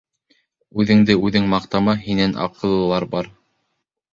Үҙеңде үҙең маҡтама, һинән аҡыллылар бар.